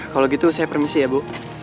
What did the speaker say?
kalau gitu saya permisi ya bu